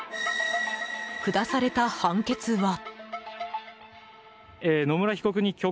下された判決は。